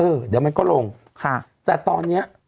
เดี๋ยวมันก็ลงค่ะแต่ตอนเนี้ย